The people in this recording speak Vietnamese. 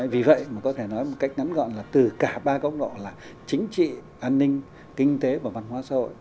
vì vậy mà có thể nói một cách ngắn gọn là từ cả ba góc độ là chính trị an ninh kinh tế và văn hóa xã hội